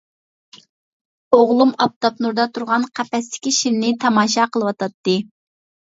ئوغلۇم ئاپتاپ نۇرىدا تۇرغان قەپەستىكى شىرنى تاماشا قىلىۋاتاتتى.